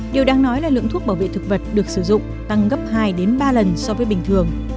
điều đáng nói là lượng thuốc bảo vệ thực vật được sử dụng tăng gấp hai đến ba lần so với bình thường